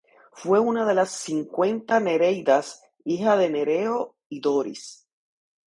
Fue una de las cincuenta nereidas, hijas de Nereo y Doris.